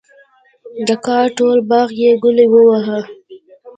د کال ټول باغ یې ګلي وواهه.